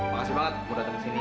makasih banget udah datang ke sini